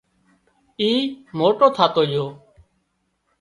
اي موٽو ٿاتو جھو